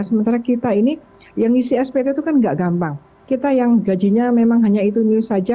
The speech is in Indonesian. sementara kita ini yang ngisi spt itu kan nggak gampang kita yang gajinya memang hanya itu new saja